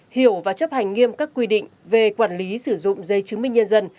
hiểu và chấp hành nghiêm các quy định về quản lý sử dụng dây chứng minh nhân dân